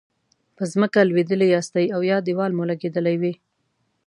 په ځمکه لویدلي یاستئ او یا دیوال مو لګیدلی وي.